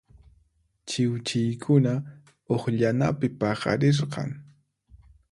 Chiwchiykuna uqllanapi paqarirqan.